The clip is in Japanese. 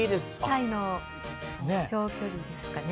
タイの長距離ですかね。